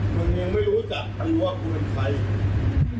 มึงยังไม่รู้จักมึงว่ากูเป็นใคร